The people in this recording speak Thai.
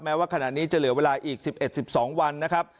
ว่าขณะนี้จะเหลือเวลาอีก๑๑๑๒วันนะครับ